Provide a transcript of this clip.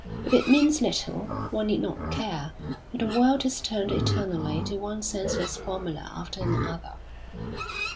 If it means little, one need not care, for the world has turned eternally to one senseless formula after another.